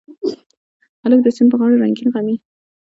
هلک د سیند پر غاړه رنګین غمي